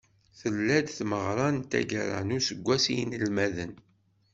Tella-d tmeɣra n taggara n useggas i yinelmaden.